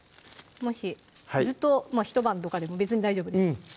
もしずっと一晩とかでも別に大丈夫です